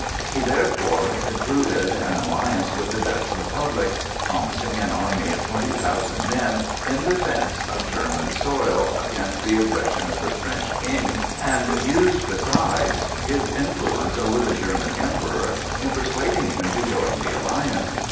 He, therefore, concluded an alliance with the Dutch Republic, promising an army of twenty thousand men in defence of German soil against the aggression of the French King, and used besides his influence over the German Emperor in persuading him to join the alliance.